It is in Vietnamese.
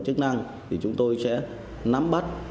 chức năng thì chúng tôi sẽ nắm bắt